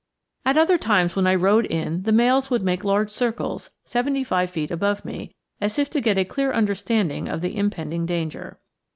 At other times when I rode in the males would make large circles, seventy five feet above me, as if to get a clear understanding of the impending danger.